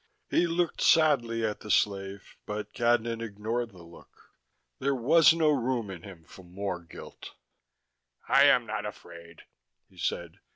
He looked sadly at the slave, but Cadnan ignored the look: there was no room in him for more guilt. "I am not afraid," he said.